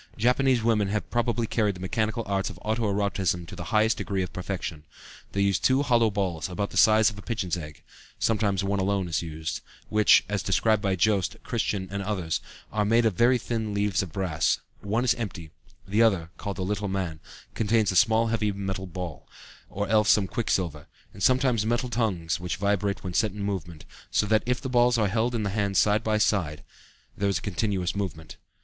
Japanese women have probably carried the mechanical arts of auto erotism to the highest degree of perfection. They use two hollow balls about the size of a pigeon's egg (sometimes one alone is used), which, as described by Joest, Christian, and others, are made of very thin leaf of brass; one is empty, the other (called the little man) contains a small heavy metal ball, or else some quicksilver, and sometimes metal tongues which vibrate when set in movement; so that if the balls are held in the hand side by side there is a continuous movement.